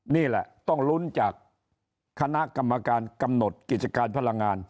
นี่แหละต้องลุ้นจากคณะกรรมการกำหนดกิจการพลังงาน